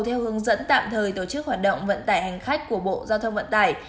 theo hướng dẫn tạm thời tổ chức hoạt động vận tải hành khách của bộ giao thông vận tải